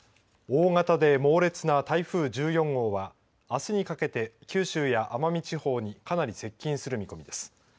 大型で猛烈な台風１４号はあすにかけて九州や奄美地方にかなり接近する見込みです。